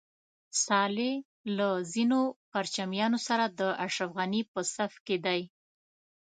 صالح له ځینو پرچمیانو سره د اشرف غني په صف کې دی.